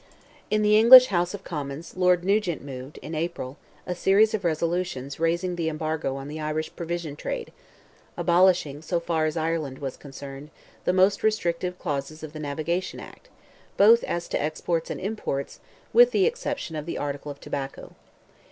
In the English House of Commons, Lord Nugent moved, in April, a series of resolutions raising the embargo on the Irish provision trade; abolishing, so far as Ireland was concerned, the most restrictive clauses of the Navigation Act, both as to exports and imports, with the exception of the article of tobacco.